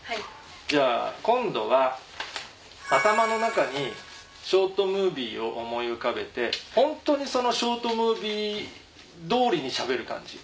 じゃあ今度は頭の中にショートムービーを思い浮かべてホントにそのショートムービー通りにしゃべる感じ。